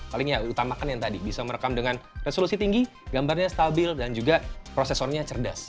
paling ya utamakan yang tadi bisa merekam dengan resolusi tinggi gambarnya stabil dan juga prosesornya cerdas